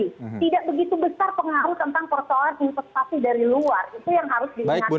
tidak begitu besar pengaruh tentang persoalan investasi dari luar